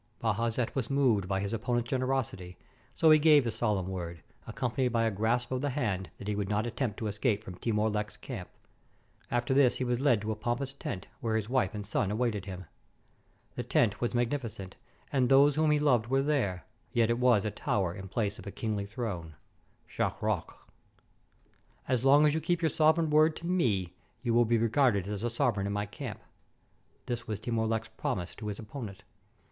Bajazet was moved by his opponent's generosity, so 469 TURKEY he gave his solemn word, accompanied by a grasp of the hand, that he would not attempt to escape from Timur Lenk's camp. After this he was led to a pompous tent, where his wife and son awaited him. The tent was mag nificent, and those whom he loved were there, yet it was a tower in place of a kingly throne. "Schach Roch!" "So long as you keep your sovereign word to me you will be regarded as a sovereign in my camp." This was Timur Lenk's promise to his opponent.